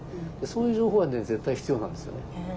そういう情報は絶対必要なんですよね。